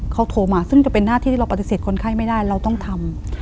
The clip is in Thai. เขาโทรมาซึ่งจะเป็นหน้าที่ที่เราปฏิเสธคนไข้ไม่ได้เราต้องทำ